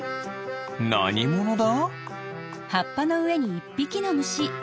なにものだ？